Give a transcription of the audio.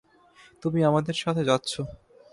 তুমি আমাদের সাথে যাচ্ছ।